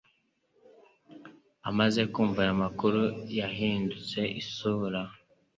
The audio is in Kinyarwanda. Amaze kumva ayo makuru, yahindutse isura.